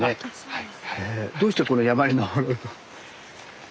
はい。